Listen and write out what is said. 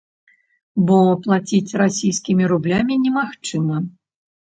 Бо плаціць расійскімі рублямі немагчыма.